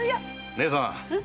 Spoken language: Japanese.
姉さん。